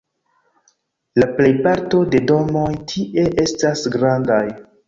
La plejparto de domoj tie estas grandaj.